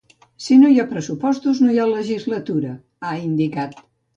Si no hi ha pressupostos no hi ha legislatura, ha indicat.